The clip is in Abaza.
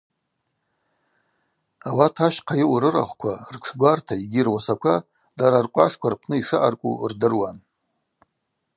Ауат ащхъа йаъу рырахвква, ртшгварта йгьи руасаква дара ркъвашква рпны йшаъаркӏву рдыруан.